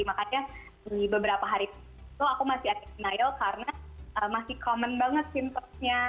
makanya di beberapa hari itu aku masih ada denial karena masih common banget simptomnya